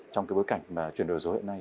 trong bối cảnh chuyển đổi số hiện nay